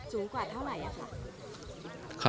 สูงกว่าเท่าไหร่อ่ะครับ